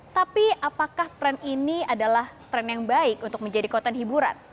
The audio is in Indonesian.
tapi apakah tren ini adalah tren yang baik untuk menjadi konten hiburan